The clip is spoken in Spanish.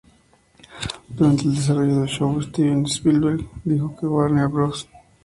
Durante el desarrollo del show Steven Spielberg dijo que Warner Bros.